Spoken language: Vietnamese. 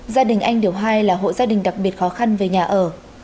gia đình anh điểu hai là hội gia đình đặc biệt khó khăn về nhà ở